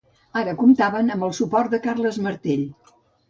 Ara comptaven amb el suport de Carles Martell.